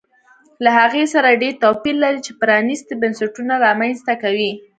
له هغې سره ډېر توپیر لري چې پرانیستي بنسټونه رامنځته کوي